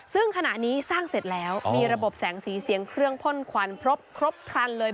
ซึ่งขณะนี้สร้างเสร็จแล้วมีระบบแสงสีเสียงเครื่องพ่นขวัญครบครบครันเลย